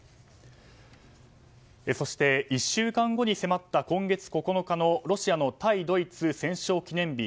そして１週間後に迫った今月９日のロシアの対ドイツ戦勝記念日。